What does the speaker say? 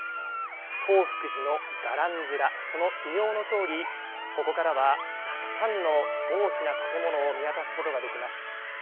東福寺の伽藍面その異名のとおりここからはたくさんの大きな建物を見渡すことができます。